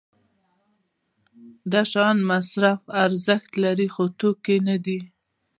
دا شیان مصرفي ارزښت لري خو توکي نه دي.